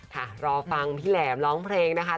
ค่ะรอฟังพี่แหลมร้องเพลงนะคะ